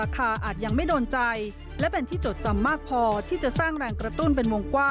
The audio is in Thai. ขอบคุณครับ